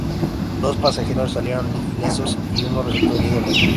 Dos pasajeros salieron ilesos y uno resultó herido leve.